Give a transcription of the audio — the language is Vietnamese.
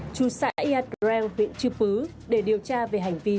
chú sãi adreng huyện chư pứ để điều tra về hành vi